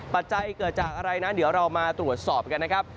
ปัจจัยเกิดจากอะไรนั้นเดี๋ยวเรามาตรวจสอบกันนะครับ